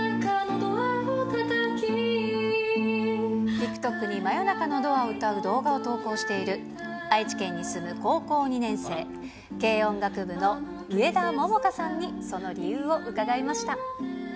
ＴｉｋＴｏｋに真夜中のドアを歌う動画を投稿している愛知県に住む高校２年生、軽音楽部の上田桃夏さんにその理由を伺いました。